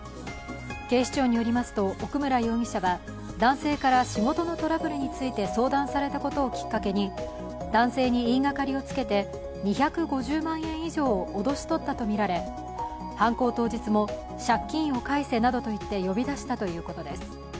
警視庁によりますと奥村容疑者は男性から仕事のトラブルについて相談されたことをきっかけに男性に言いがかりをつけて２５０万円以上を脅し取ったとみられ犯行当日も借金を返せなどといって呼び出したということです。